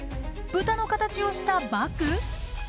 豚の形をしたバッグ？